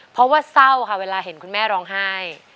เพราะว่าเศร้าค่ะเวลาเห็นคุณแม่ร้องไห้